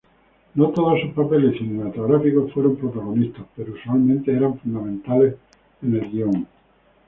No todos sus papeles cinematográficos fueron protagonistas, pero usualmente eran fundamentales en el guion.